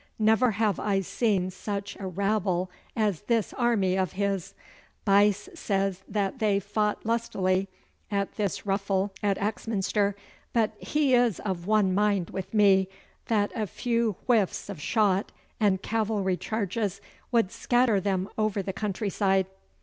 Never have I seen such a rabble as this army of his. Buyse says that they fought lustily at this ruffle at Axminster, but he is of one mind with me, that a few whiffs of shot and cavalry charges would scatter them over the countryside.